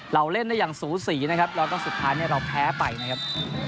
เราเล่นได้อย่างสูสีนะครับเราต้องสุดท้ายเนี่ยเราแพ้ไปนะครับ